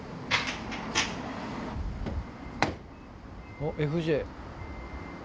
おっＦＪ。